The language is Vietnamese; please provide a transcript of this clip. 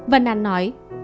vân an nói